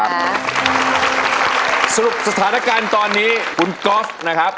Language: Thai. สรุปสถานการณ์ตอนนี้คุณก๊อฟนะครับ